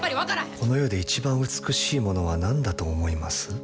この世で一番美しい物はなんだと思います？